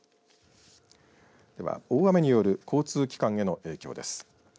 では、大雨による交通機関への影響です。